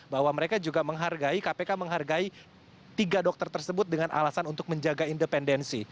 bahwa mereka juga menghargai kpk menghargai tiga dokter tersebut dengan alasan untuk menjaga independensi